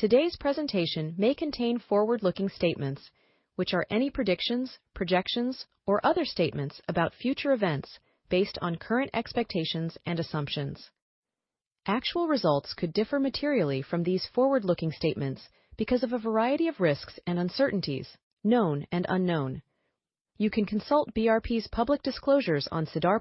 Today's presentation may contain forward-looking statements, which are any predictions, projections, or other statements about future events based on current expectations and assumptions. Actual results could differ materially from these forward-looking statements because of a variety of risks and uncertainties, known and unknown. You can consult BRP's public disclosures on SEDAR+,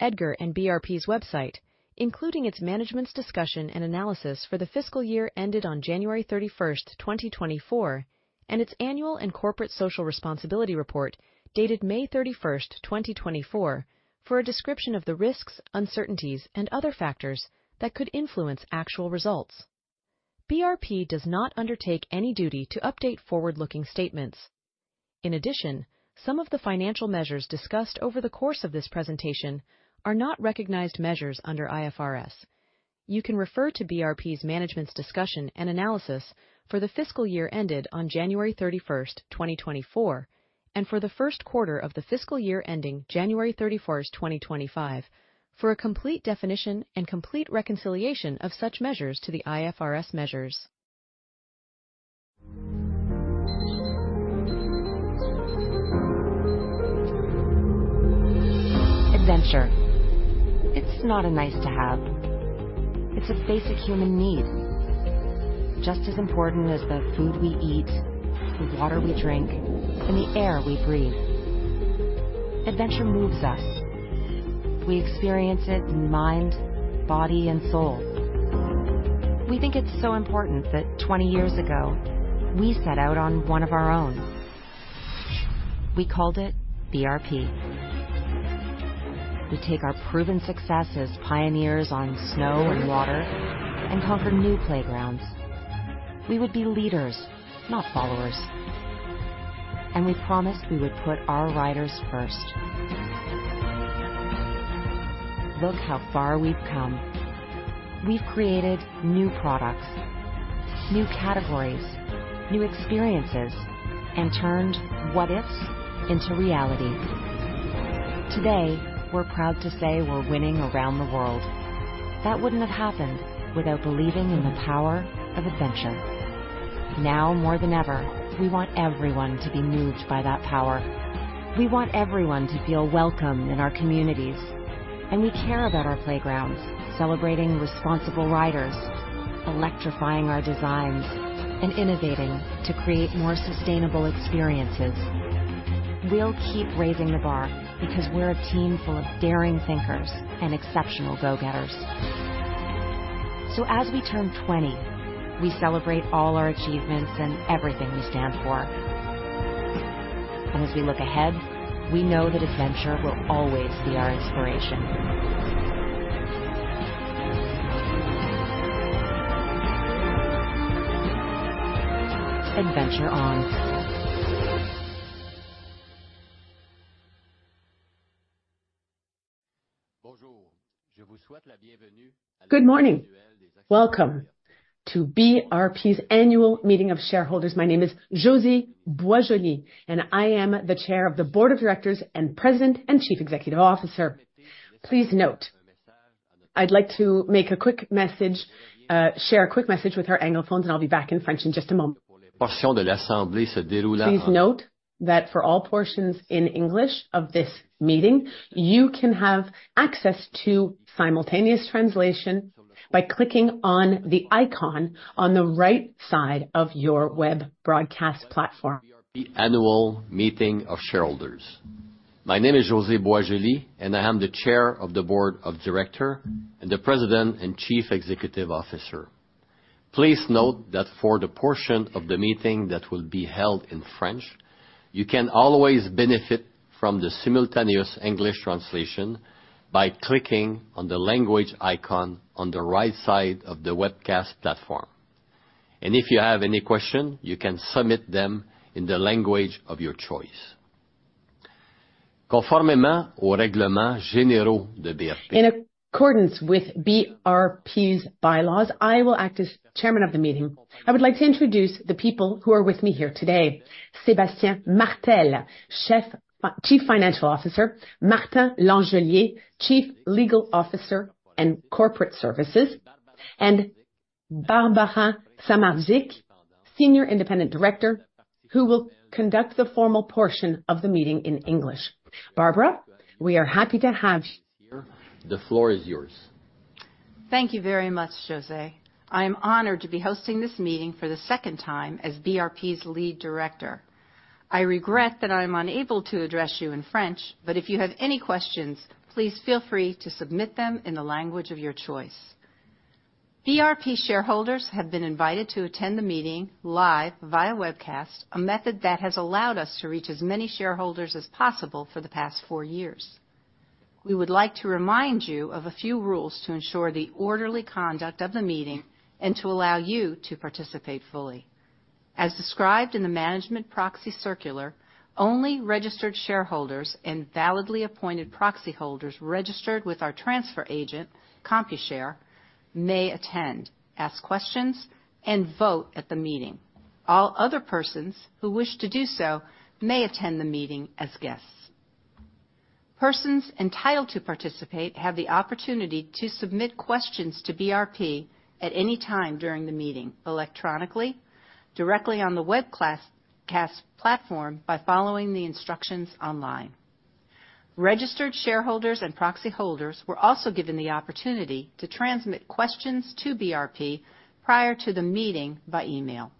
EDGAR, and BRP's website, including its management's discussion and analysis for the fiscal year ended on January 31, 2024, and its annual and corporate social responsibility report, dated May 31, 2024, for a description of the risks, uncertainties, and other factors that could influence actual results. BRP does not undertake any duty to update forward-looking statements. In addition, some of the financial measures discussed over the course of this presentation are not recognized measures under IFRS. You can refer to BRP's management's discussion and analysis for the fiscal year ended on January 31st, 2024, and for the Q1 of the fiscal year ending January 31st, 2025, for a complete definition and complete reconciliation of such measures to the IFRS measures. Adventure. It's not a nice-to-have, it's a basic human need, just as important as the food we eat, the water we drink, and the air we breathe. Adventure moves us. We experience it in mind, body, and soul. We think it's so important that 20 years ago, we set out on one of our own. We called it BRP. We take our proven success as pioneers on snow and water and conquer new playgrounds. We would be leaders, not followers, and we promised we would put our riders first. Look how far we've come. We've created new products, new categories, new experiences, and turned what ifs into reality. Today, we're proud to say we're winning around the world. That wouldn't have happened without believing in the power of adventure. Now, more than ever, we want everyone to be moved by that power. We want everyone to feel welcome in our communities, and we care about our playgrounds, celebrating responsible riders, electrifying our designs, and innovating to create more sustainable experiences. We'll keep raising the bar because we're a team full of daring thinkers and exceptional go-getters. So as we turn 20, we celebrate all our achievements and everything we stand for. And as we look ahead, we know that adventure will always be our inspiration. Adventure on! Good morning. Welcome to BRP's Annual Meeting of Shareholders. My name is José Boisjoli, and I am the Chair of the Board of Directors and President and Chief Executive Officer. Please note, I'd like to make a quick message, share a quick message with our anglophones, and I'll be back in French in just a moment. Please note that for all portions in English of this meeting, you can have access to simultaneous translation by clicking on the icon on the right side of your web broadcast platform. Annual Meeting of Shareholders. My name is José Boisjoli, and I am the Chair of the Board of Director and the President and Chief Executive Officer. Please note that for the portion of the meeting that will be held in French, you can always benefit from the simultaneous English translation by clicking on the language icon on the right side of the webcast platform. If you have any question, you can submit them in the language of your choice. In accordance with BRP's bylaws, I will act as chairman of the meeting. I would like to introduce the people who are with me here today. Sébastien Martel, Chief Financial Officer, Martin Langelier, Chief Legal Officer and Corporate Services, and Barbara Samardzich, Senior Independent Director, who will conduct the formal portion of the meeting in English. Barbara, we are happy to have you here. The floor is yours. Thank you very much, José. I am honored to be hosting this meeting for the second time as BRP's Lead Director. I regret that I'm unable to address you in French, but if you have any questions, please feel free to submit them in the language of your choice. BRP shareholders have been invited to attend the meeting live via webcast, a method that has allowed us to reach as many shareholders as possible for the past four years. We would like to remind you of a few rules to ensure the orderly conduct of the meeting and to allow you to participate fully. As described in the management proxy circular, only registered shareholders and validly appointed proxy holders registered with our transfer agent, Computershare, may attend, ask questions, and vote at the meeting. All other persons who wish to do so may attend the meeting as guests.... Persons entitled to participate have the opportunity to submit questions to BRP at any time during the meeting electronically, directly on the webcast platform by following the instructions online. Registered shareholders and proxy holders were also given the opportunity to transmit questions to BRP prior to the meeting by email.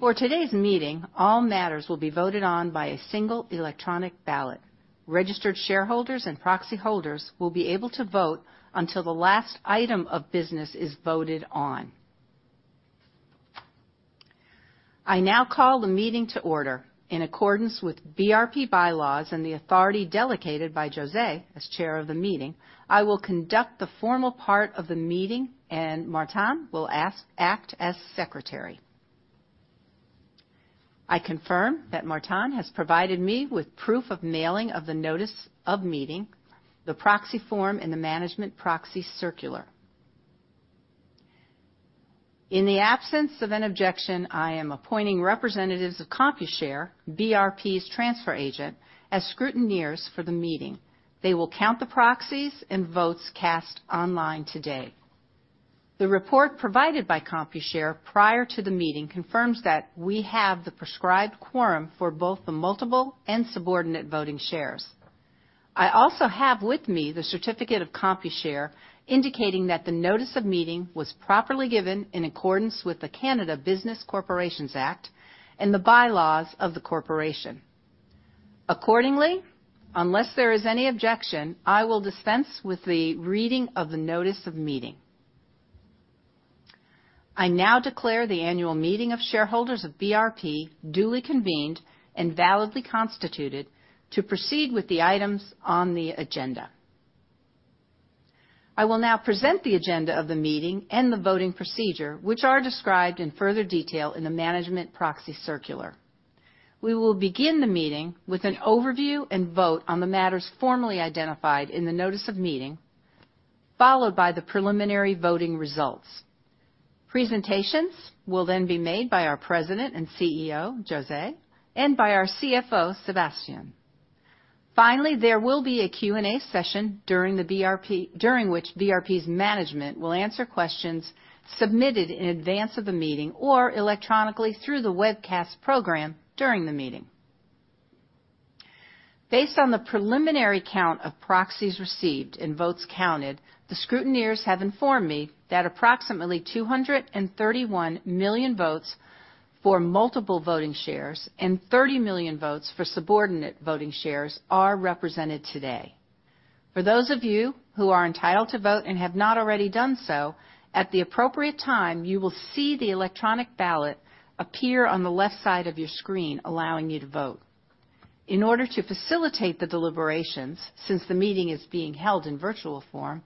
For today's meeting, all matters will be voted on by a single electronic ballot. Registered shareholders and proxy holders will be able to vote until the last item of business is voted on. I now call the meeting to order. In accordance with BRP bylaws and the authority delegated by José as chair of the meeting, I will conduct the formal part of the meeting, and Martin will act as secretary. I confirm that Martin has provided me with proof of mailing of the notice of meeting, the proxy form, and the management proxy circular. In the absence of an objection, I am appointing representatives of Computershare, BRP's transfer agent, as scrutineers for the meeting. They will count the proxies and votes cast online today. The report provided by Computershare prior to the meeting confirms that we have the prescribed quorum for both the multiple and subordinate voting shares. I also have with me the certificate of Computershare, indicating that the notice of meeting was properly given in accordance with the Canada Business Corporations Act and the bylaws of the corporation. Accordingly, unless there is any objection, I will dispense with the reading of the notice of meeting. I now declare the annual meeting of shareholders of BRP, duly convened and validly constituted to proceed with the items on the agenda. I will now present the agenda of the meeting and the voting procedure, which are described in further detail in the management proxy circular. We will begin the meeting with an overview and vote on the matters formally identified in the notice of meeting, followed by the preliminary voting results. Presentations will then be made by our President and CEO, José, and by our CFO, Sébastien. Finally, there will be a Q&A session during which BRP's management will answer questions submitted in advance of the meeting or electronically through the webcast program during the meeting. Based on the preliminary count of proxies received and votes counted, the scrutineers have informed me that approximately 231 million votes for multiple voting shares and 30 million votes for subordinate voting shares are represented today. For those of you who are entitled to vote and have not already done so, at the appropriate time, you will see the electronic ballot appear on the left side of your screen, allowing you to vote. In order to facilitate the deliberations, since the meeting is being held in virtual form,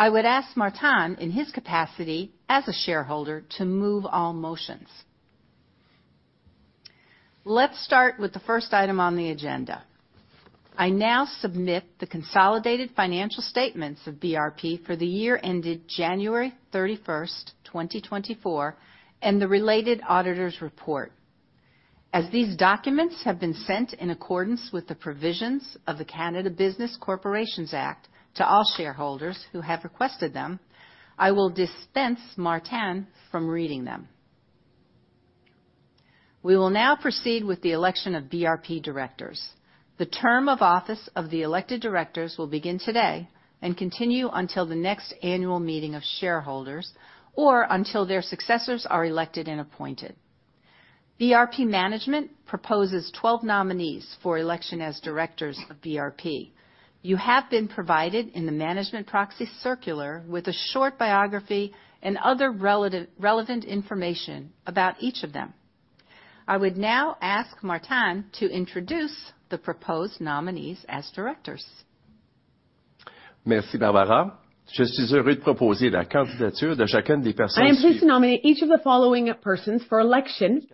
I would ask Martin, in his capacity as a shareholder, to move all motions. Let's start with the first item on the agenda. I now submit the consolidated financial statements of BRP for the year ended January 31st, 2024, and the related auditor's report. As these documents have been sent in accordance with the provisions of the Canada Business Corporations Act to all shareholders who have requested them, I will dispense Martin from reading them. We will now proceed with the election of BRP directors. The term of office of the elected directors will begin today and continue until the next annual meeting of shareholders or until their successors are elected and appointed. BRP management proposes 12 nominees for election as directors of BRP. You have been provided in the management proxy circular with a short biography and other relative, relevant information about each of them. I would now ask Martin to introduce the proposed nominees as directors. Merci, Barbara. I am pleased to nominate each of the following persons for election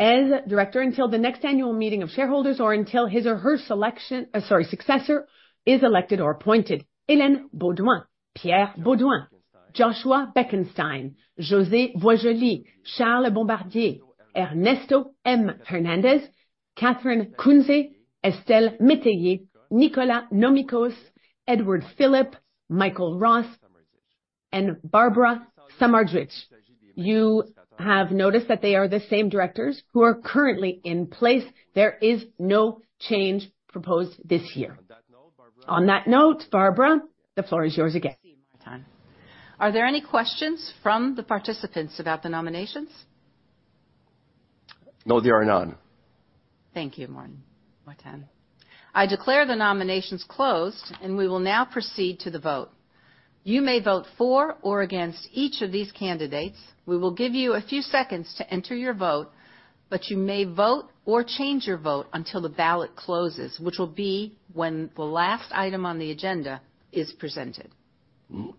as director until the next annual meeting of shareholders, or until his or her successor is elected or appointed. Hélène Beaudoin, Pierre Beaudoin, Joshua Bekenstein, José Boisjoli, Charles Bombardier, Ernesto M. Hernández, Katherine Kountze, Estelle Métayer, Nicholas Nomicos, Edward Philip, Michael Ross, and Barbara Samardzich. You have noticed that they are the same directors who are currently in place. There is no change proposed this year. On that note, Barbara- On that note, Barbara, the floor is yours again. Thank you, Martin. Are there any questions from the participants about the nominations? No, there are none. Thank you, Martin. Martin, I declare the nominations closed, and we will now proceed to the vote. You may vote for or against each of these candidates. We will give you a few seconds to enter your vote, but you may vote or change your vote until the ballot closes, which will be when the last item on the agenda is presented. Mm.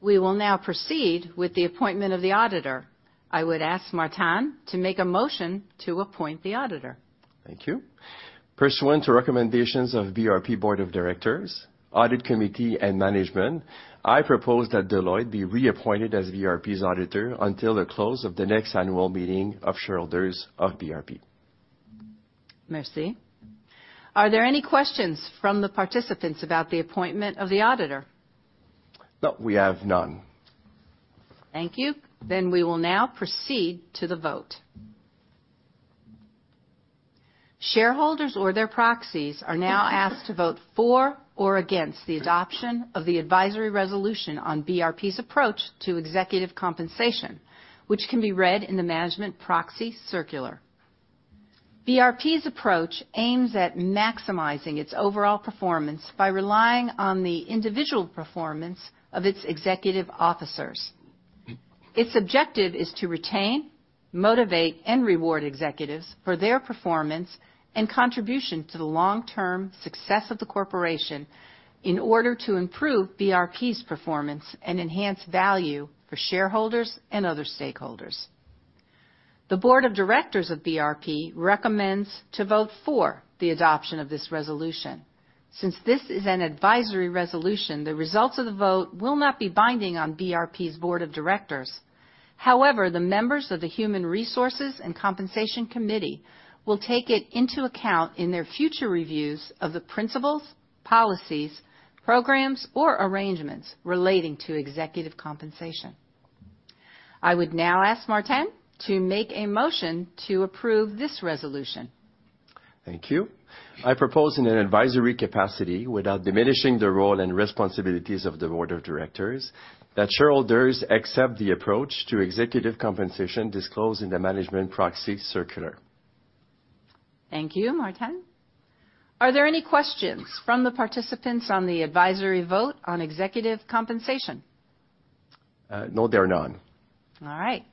We will now proceed with the appointment of the auditor. I would ask Martin to make a motion to appoint the auditor. Thank you. Pursuant to recommendations of BRP Board of Directors, Audit Committee, and management, I propose that Deloitte be reappointed as BRP's auditor until the close of the next annual meeting of shareholders of BRP.... Merci. Are there any questions from the participants about the appointment of the auditor? No, we have none. Thank you. We will now proceed to the vote. Shareholders or their proxies are now asked to vote for or against the adoption of the advisory resolution on BRP's approach to executive compensation, which can be read in the management proxy circular. BRP's approach aims at maximizing its overall performance by relying on the individual performance of its executive officers. Its objective is to retain, motivate, and reward executives for their performance and contribution to the long-term success of the corporation in order to improve BRP's performance and enhance value for shareholders and other stakeholders. The board of directors of BRP recommends to vote for the adoption of this resolution. Since this is an advisory resolution, the results of the vote will not be binding on BRP's board of directors. However, the members of the Human Resources and Compensation Committee will take it into account in their future reviews of the principles, policies, programs, or arrangements relating to executive compensation. I would now ask Martin to make a motion to approve this resolution. Thank you. I propose in an advisory capacity, without diminishing the role and responsibilities of the board of directors, that shareholders accept the approach to executive compensation disclosed in the management proxy circular. Thank you, Martin. Are there any questions from the participants on the advisory vote on executive compensation? No, there are none. All right.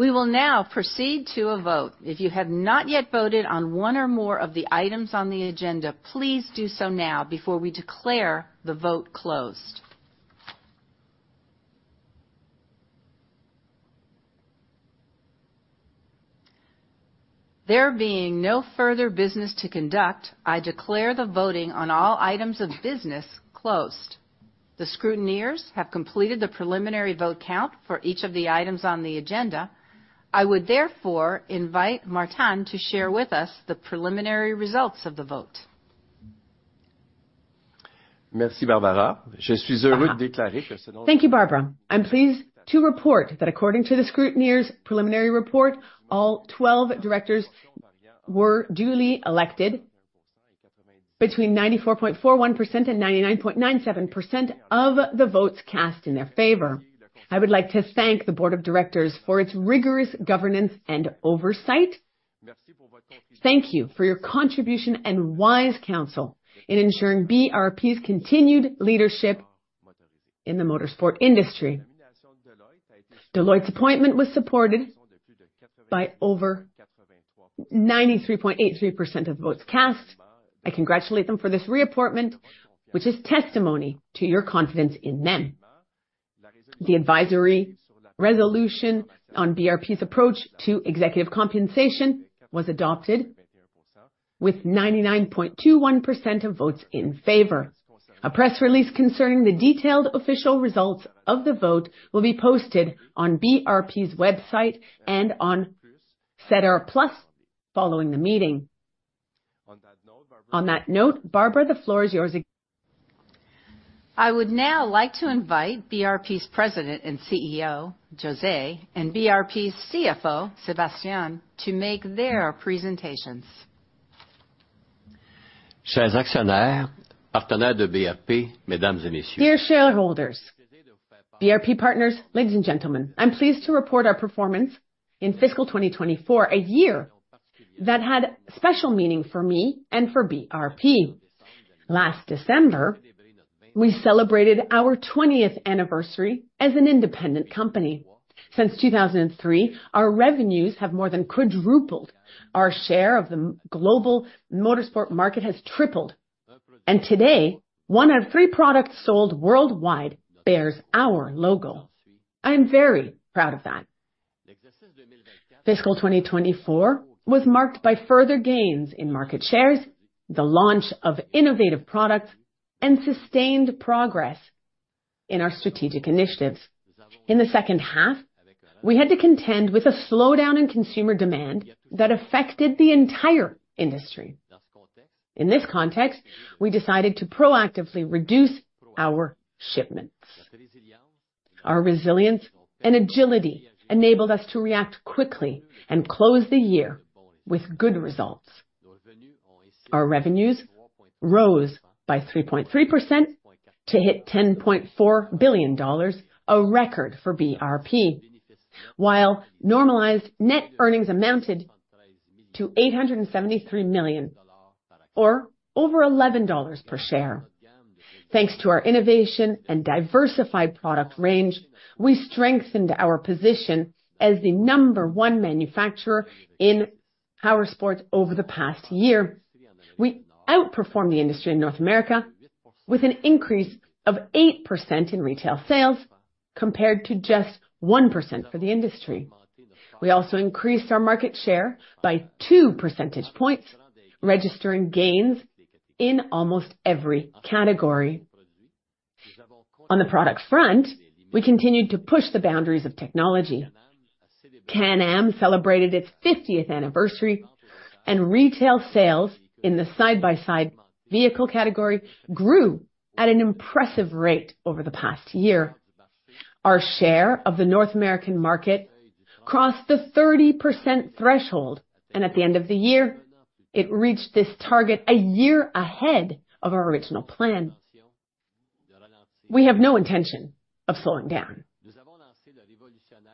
We will now proceed to a vote. If you have not yet voted on one or more of the items on the agenda, please do so now before we declare the vote closed. There being no further business to conduct, I declare the voting on all items of business closed. The scrutineers have completed the preliminary vote count for each of the items on the agenda. I would therefore invite Martin to share with us the preliminary results of the vote. Merci, Barbara. Uh-huh. Thank you, Barbara. I'm pleased to report that according to the scrutineers' preliminary report, all 12 directors were duly elected between 94.41% and 99.97% of the votes cast in their favor. I would like to thank the board of directors for its rigorous governance and oversight. Thank you for your contribution and wise counsel in ensuring BRP's continued leadership in the motorsport industry. Deloitte's appointment was supported by over 93.83% of votes cast. I congratulate them for this reappointment, which is testimony to your confidence in them. The advisory resolution on BRP's approach to executive compensation was adopted with 99.21% of votes in favor. A press release concerning the detailed official results of the vote will be posted on BRP's website and on SEDAR+ following the meeting. On that note, Barbara- On that note, Barbara, the floor is yours again. I would now like to invite BRP's President and CEO, José, and BRP's CFO, Sébastien, to make their presentations. Dear shareholders, BRP partners, ladies and gentlemen, I'm pleased to report our performance in fiscal 2024, a year that had special meaning for me and for BRP. Last December, we celebrated our 20th anniversary as an independent company. Since 2003, our revenues have more than quadrupled, our share of the global motorsport market has tripled, and today, one out of three products sold worldwide bears our logo. I am very proud of that. Fiscal 2024 was marked by further gains in market shares, the launch of innovative products, and sustained progress in our strategic initiatives. In the second half, we had to contend with a slowdown in consumer demand that affected the entire industry. In this context, we decided to proactively reduce our shipments. Our resilience and agility enabled us to react quickly and close the year with good results. Our revenues rose by 3.3% to hit 10.4 billion dollars, a record for BRP, while normalized net earnings amounted to 873 million, or over 11 dollars per share. Thanks to our innovation and diversified product range, we strengthened our position as the number one manufacturer in powersports over the past year. We outperformed the industry in North America with an increase of 8% in retail sales, compared to just 1% for the industry. We also increased our market share by two percentage points, registering gains in almost every category. On the product front, we continued to push the boundaries of technology. Can-Am celebrated its 50th anniversary, and retail sales in the side-by-side vehicle category grew at an impressive rate over the past year. Our share of the North American market crossed the 30% threshold, and at the end of the year, it reached this target a year ahead of our original plan. We have no intention of slowing down.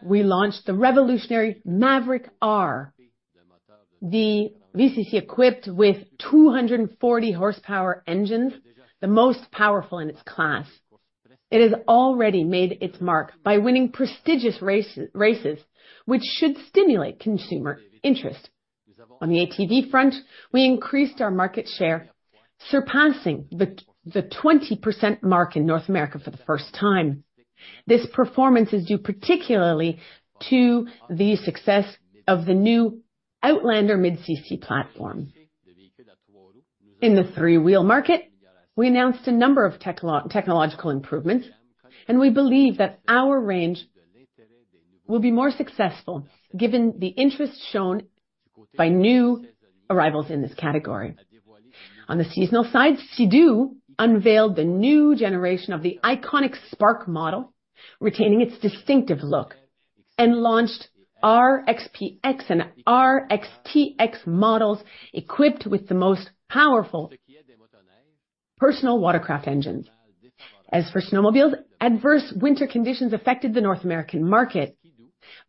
We launched the revolutionary Maverick R, the SSV, equipped with 240 horsepower engines, the most powerful in its class. It has already made its mark by winning prestigious races which should stimulate consumer interest. On the ATV front, we increased our market share, surpassing the 20% mark in North America for the first time. This performance is due particularly to the success of the new Outlander mid-cc platform. In the three-wheel market, we announced a number of technological improvements, and we believe that our range will be more successful, given the interest shown by new arrivals in this category. On the seasonal side, Sea-Doo unveiled the new generation of the iconic Spark model, retaining its distinctive look, and launched RXP-X and RXT-X models, equipped with the most powerful personal watercraft engines. As for snowmobiles, adverse winter conditions affected the North American market,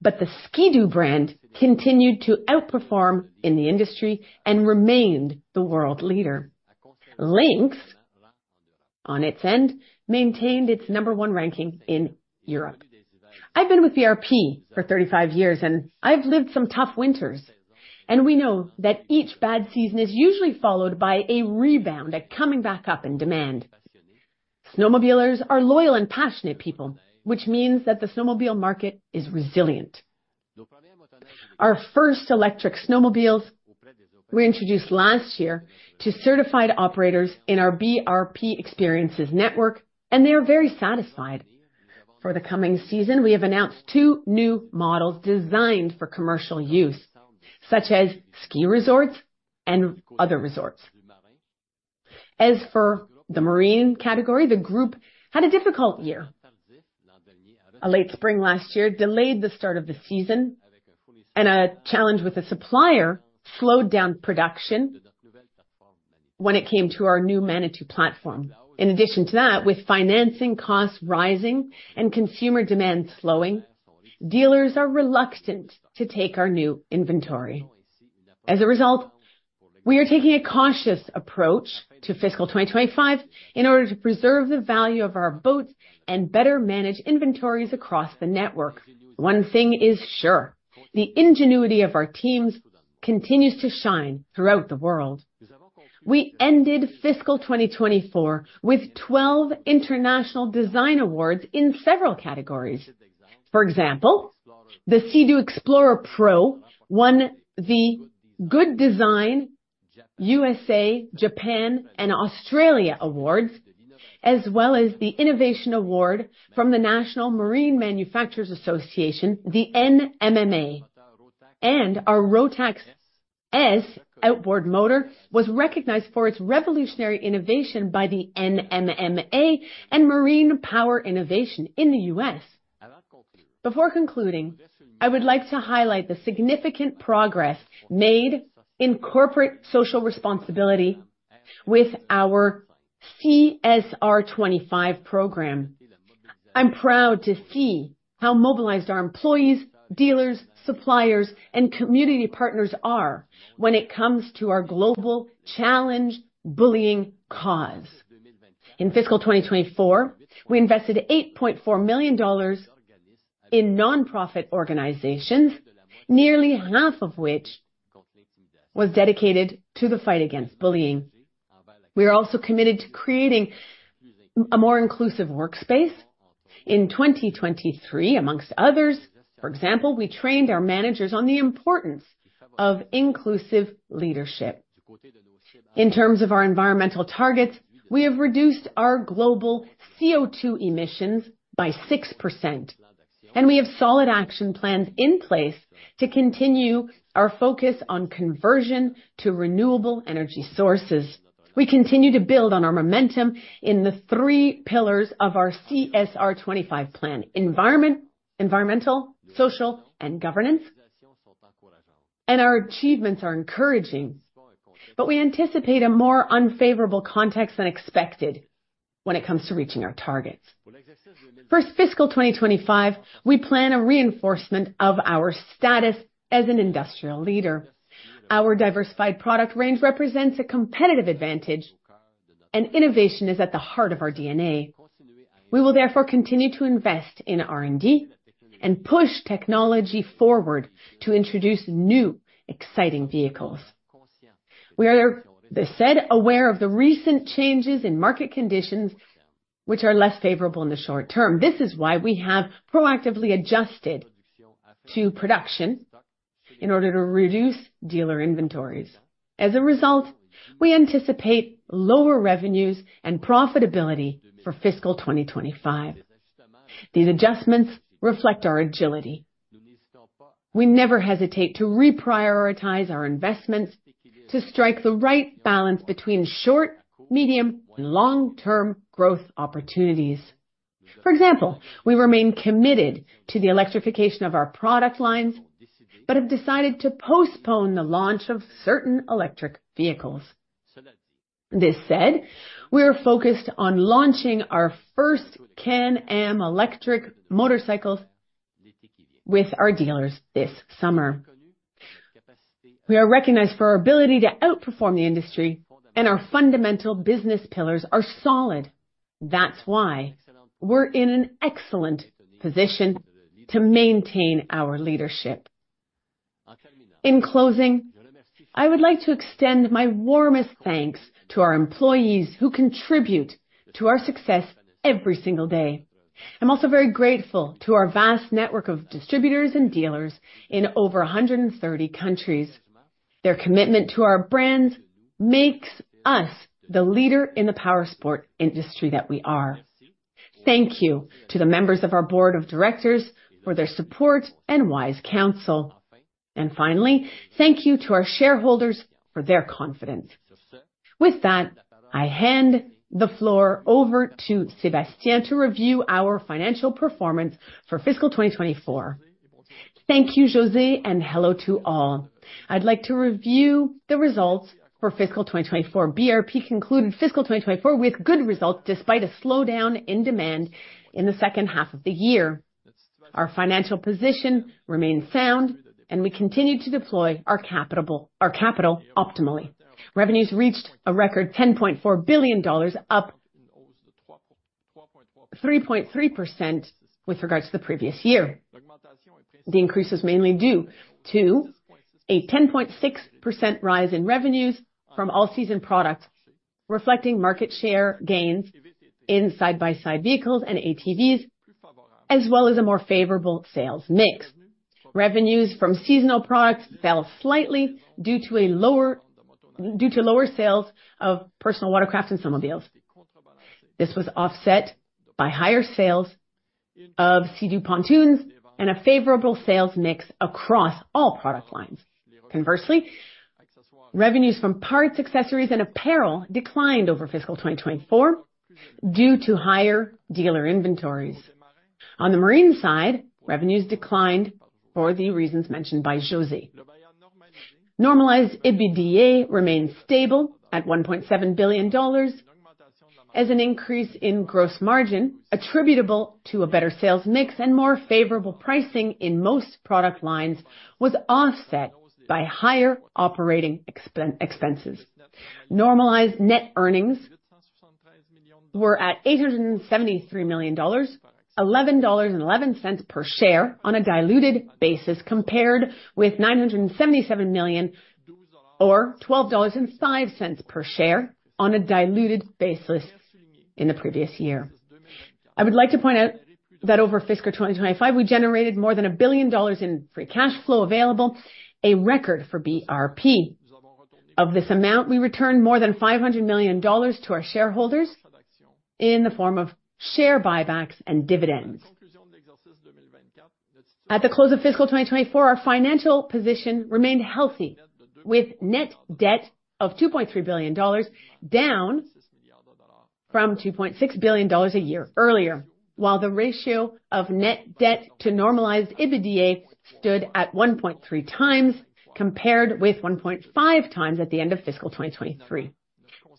but the Ski-Doo brand continued to outperform in the industry and remained the world leader. Lynx, on its end, maintained its number one ranking in Europe. I've been with BRP for 35 years, and I've lived some tough winters, and we know that each bad season is usually followed by a rebound and coming back up in demand. Snowmobilers are loyal and passionate people, which means that the snowmobile market is resilient. Our first electric snowmobiles were introduced last year to certified operators in our BRP Experiences network, and they are very satisfied. For the coming season, we have announced two new models designed for commercial use, such as ski resorts and other resorts. As for the marine category, the group had a difficult year. A late spring last year delayed the start of the season, and a challenge with a supplier slowed down production when it came to our new Manitou platform. In addition to that, with financing costs rising and consumer demand slowing, dealers are reluctant to take our new inventory. As a result, we are taking a cautious approach to fiscal 2025 in order to preserve the value of our boats and better manage inventories across the network. One thing is sure, the ingenuity of our teams continues to shine throughout the world. We ended fiscal 2024 with 12 international design awards in several categories. For example, the Sea-Doo Explorer Pro won the Good Design, USA, Japan, and Australia awards, as well as the Innovation Award from the National Marine Manufacturers Association, the NMMA, and our Rotax S outboard motor was recognized for its revolutionary innovation by the NMMA and Marine Power Innovation in the US. Before concluding, I would like to highlight the significant progress made in corporate social responsibility with our CSR25 program. I'm proud to see how mobilized our employees, dealers, suppliers, and community partners are when it comes to our global challenge bullying cause. In fiscal 2024, we invested 8.4 million dollars in nonprofit organizations, nearly half of which was dedicated to the fight against bullying. We are also committed to creating a more inclusive workspace. In 2023, amongst others, for example, we trained our managers on the importance of inclusive leadership. In terms of our environmental targets, we have reduced our global CO2 emissions by 6%, and we have solid action plans in place to continue our focus on conversion to renewable energy sources. We continue to build on our momentum in the three pillars of our CSR25 plan: environmental, social, and governance. Our achievements are encouraging, but we anticipate a more unfavorable context than expected when it comes to reaching our targets. For fiscal 2025, we plan a reinforcement of our status as an industrial leader. Our diversified product range represents a competitive advantage, and innovation is at the heart of our DNA. We will therefore continue to invest in R&D and push technology forward to introduce new, exciting vehicles. We are, as said, aware of the recent changes in market conditions, which are less favorable in the short term. This is why we have proactively adjusted our production in order to reduce dealer inventories. As a result, we anticipate lower revenues and profitability for fiscal 2025. These adjustments reflect our agility. We never hesitate to reprioritize our investments to strike the right balance between short, medium, and long-term growth opportunities. For example, we remain committed to the electrification of our product lines, but have decided to postpone the launch of certain electric vehicles. This said, we are focused on launching our first Can-Am electric motorcycles with our dealers this summer. We are recognized for our ability to outperform the industry, and our fundamental business pillars are solid. That's why we're in an excellent position to maintain our leadership. In closing, I would like to extend my warmest thanks to our employees, who contribute to our success every single day. I'm also very grateful to our vast network of distributors and dealers in over 130 countries. Their commitment to our brands makes us the leader in the powersports industry that we are. Thank you to the members of our board of directors for their support and wise counsel. And finally, thank you to our shareholders for their confidence. With that, I hand the floor over to Sébastien to review our financial performance for fiscal 2024. Thank you, Josée, and hello to all. I'd like to review the results for fiscal 2024. BRP concluded fiscal 2024 with good results, despite a slowdown in demand in the second half of the year. Our financial position remains sound, and we continue to deploy our capital optimally. Revenues reached a record 10.4 billion dollars, up 3.3% with regards to the previous year. The increase is mainly due to a 10.6% rise in revenues from all season products, reflecting market share gains in side-by-side vehicles and ATVs, as well as a more favorable sales mix. Revenues from seasonal products fell slightly due to lower sales of personal watercraft and snowmobiles. This was offset by higher sales of Sea-Doo pontoons and a favorable sales mix across all product lines. Conversely, revenues from parts, accessories, and apparel declined over fiscal 2024 due to higher dealer inventories. On the marine side, revenues declined for the reasons mentioned by Josée. Normalized EBITDA remains stable at 1.7 billion dollars, as an increase in gross margin attributable to a better sales mix and more favorable pricing in most product lines was offset by higher operating expenses. Normalized net earnings were at 873 million dollars, 11.11 dollars per share on a diluted basis, compared with 977 million, or 12.05 dollars per share on a diluted basis in the previous year. I would like to point out that over fiscal 2025, we generated more than 1 billion dollars in free cash flow available, a record for BRP. Of this amount, we returned more than 500 million dollars to our shareholders in the form of share buybacks and dividends. At the close of fiscal 2024, our financial position remained healthy, with net debt of 2.3 billion dollars, down from 2.6 billion dollars a year earlier, while the ratio of net debt to normalized EBITDA stood at 1.3 times, compared with 1.5 times at the end of fiscal 2023.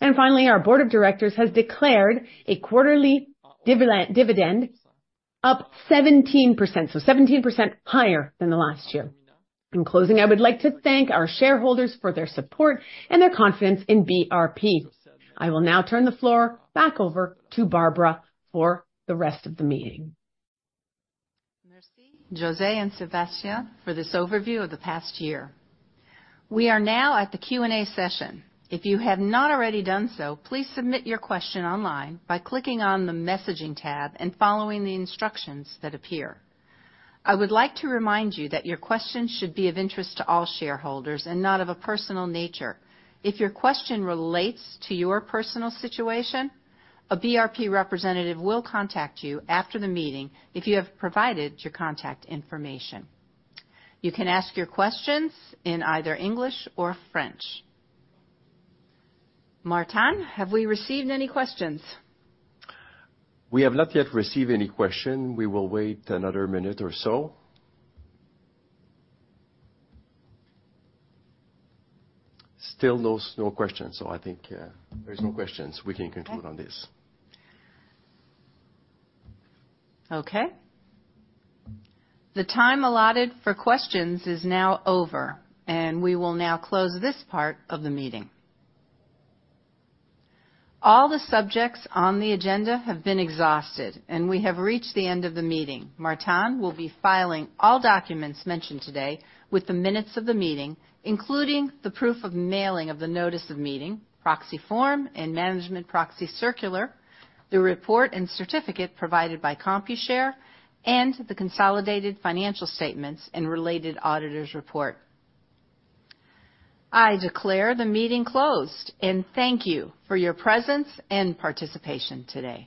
And finally, our board of directors has declared a quarterly dividend up 17%, so 17% higher than the last year. In closing, I would like to thank our shareholders for their support and their confidence in BRP. I will now turn the floor back over to Barbara for the rest of the meeting. Merci, Josée and Sébastien, for this overview of the past year. We are now at the Q&A session. If you have not already done so, please submit your question online by clicking on the messaging tab and following the instructions that appear. I would like to remind you that your questions should be of interest to all shareholders and not of a personal nature. If your question relates to your personal situation, a BRP representative will contact you after the meeting if you have provided your contact information. You can ask your questions in either English or French. Martin, have we received any questions? We have not yet received any question. We will wait another minute or so. Still no, no questions, so I think, there's no questions. We can conclude on this. Okay. The time allotted for questions is now over, and we will now close this part of the meeting. All the subjects on the agenda have been exhausted, and we have reached the end of the meeting. Martin will be filing all documents mentioned today with the minutes of the meeting, including the proof of mailing of the notice of meeting, proxy form, and management proxy circular, the report and certificate provided by Computershare, and the consolidated financial statements and related auditors' report. I declare the meeting closed, and thank you for your presence and participation today.